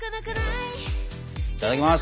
いただきます。